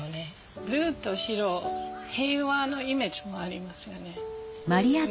ブルーと白平和のイメージもありますよね。